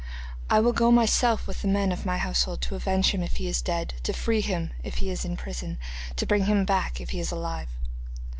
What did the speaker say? I will go myself with the men of my household to avenge him if he is dead, to free him if he is in prison, to bring him back if he is alive.